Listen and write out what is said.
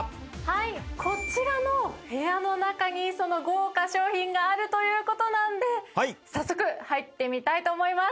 こちらの部屋の中に豪華賞品があるということで早速入ってみたいと思います。